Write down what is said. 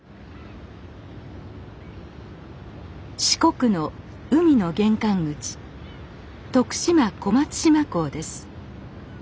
四国の海の玄関口徳島小松島港です